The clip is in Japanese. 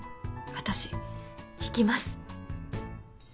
私行きます。